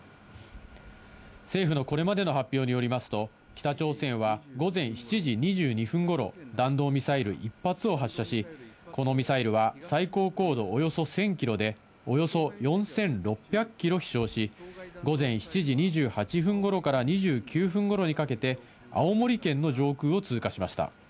政府のこれまでの発表によりますと、北朝鮮は午前７時２２分頃、弾道ミサイル１発を発射し、このミサイルは最高度およそ１０００キロでおよそ４６００キロ飛翔し、午前７時２８分頃から２９分頃にかけて青森県の上空を通過しました。